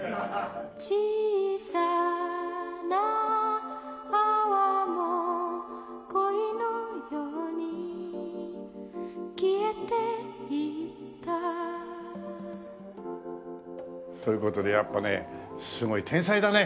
「小さなアワも恋のように消えていった」という事でやっぱねすごい天才だね！